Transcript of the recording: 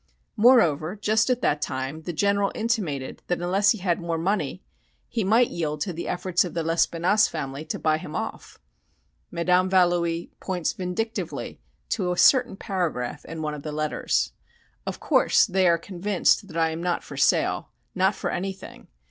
Moreover, just at that time the General intimated that unless he had more money he might yield to the efforts of the Lespinasse family to buy him off." Madame Valoie points vindictively to a certain paragraph in one of the letters: "Of course they are convinced that I am not for sale, not for anything....